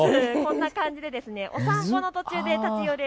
こんな感じでお散歩の途中で立ち寄れる